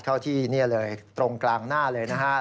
เข้าที่นี่เลยตรงกลางหน้าเลยนะครับ